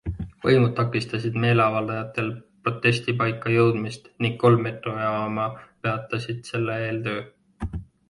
Võimud takistasid meeleavaldajatel protestipaika jõudmist ning kolm metroojaama peatasid selle eel töö.